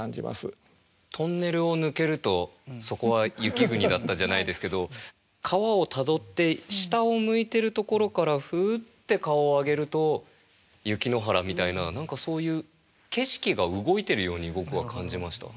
「トンネルを抜けるとそこは雪国だった」じゃないですけど川をたどって下を向いてるところからふって顔を上げると雪の原みたいな何かそういう景色が動いてるように僕は感じました。